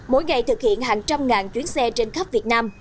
mỗi ngày thực hiện hàng trăm ngàn chuyến xe trên khắp việt nam